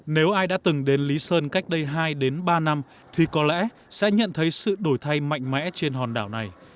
nếu ai đã từng đến lý sơn cách đây hai đến ba năm thì có lẽ sẽ nhận thấy sự đổi thay mạnh mẽ trên hòn đảo này